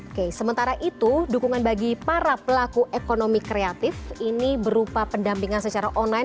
oke sementara itu dukungan bagi para pelaku ekonomi kreatif ini berupa pendampingan secara online